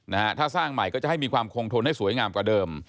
นะฮะถ้าสร้างใหม่ก็จะให้มีความคงทนให้สวยงามกว่าเดิม